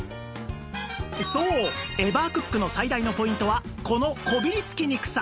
そうエバークックの最大のポイントはこのこびりつきにくさ